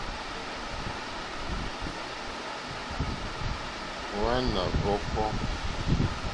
Hwàná ǃhwɔ́kɔ́.